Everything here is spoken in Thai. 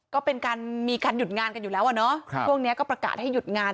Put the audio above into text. ก็มีการหยุดงานอยู่แล้วพวกนี้ก็ประกาศให้หยุดงาน